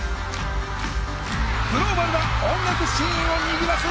グローバルな音楽シーンをにぎわす